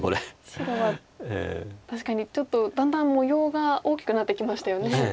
白は確かにちょっとだんだん模様が大きくなってきましたよね。